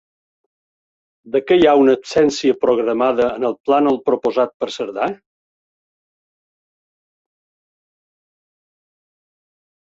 De què hi ha una absència programada en el plànol proposat per Cerdà?